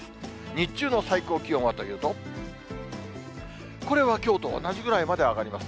日中の最高気温はというと、これはきょうと同じくらいまで上がります。